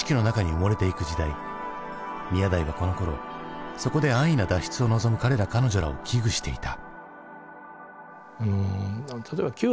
宮台はこのころそこで安易な脱出を望む彼ら彼女らを危惧していた。